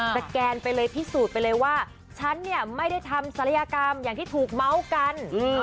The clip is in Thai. แกนไปเลยพิสูจน์ไปเลยว่าฉันเนี่ยไม่ได้ทำศัลยกรรมอย่างที่ถูกเม้ากัน